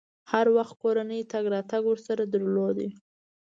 هر وخت کورنۍ تګ راتګ ورسره درلود.